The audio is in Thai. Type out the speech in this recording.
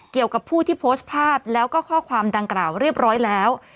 เกี่ยวกับผู้ที่โพสต์ภาพแล้วก็ข้อความดังกล่าวเรียบร้อยแล้ว